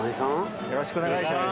よろしくお願いします。